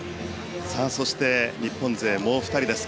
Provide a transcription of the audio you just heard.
そして、日本勢ももう２人です。